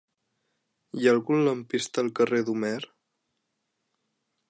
Hi ha algun lampista al carrer d'Homer?